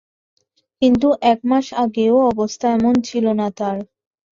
কিন্তু এক মাস আগেও অবস্থা এমন ছিল না তাঁর।